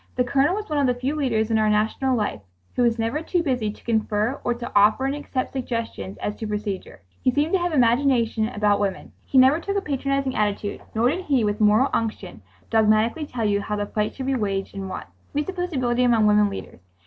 The Colonel was one of the few leaders in our national life who was never too busy to confer or to offer and accept suggestions as to procedure. He seemed to have imagination about women. He never took a patronizing attitude nor did he with moral unction dogmatically tell you how the fight should be waged and won. He presupposed ability among women leaders.